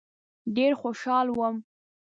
ډېر خوشاله وم.